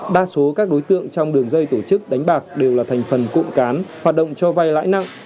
đa số các đối tượng trong đường dây tổ chức đánh bạc đều là thành phần cụm cán hoạt động cho vay lãi nặng